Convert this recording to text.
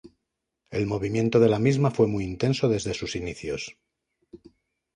El movimiento de la misma fue muy intenso desde sus inicios.